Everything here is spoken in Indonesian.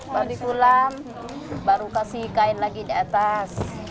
baru dikulam baru kasih kain lagi di atas